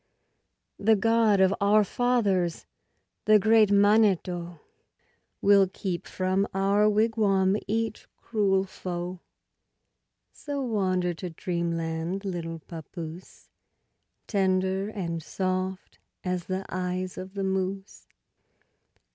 The God of our Fathers, the great Maneto, Will keep from our wigwam each cruel foe; So wander to dreamland, little papoose, Tender and soft as the eyes of the moose.